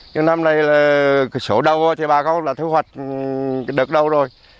nhưng năm nay là số đầu thì bà không thu hoạch đợt đầu rồi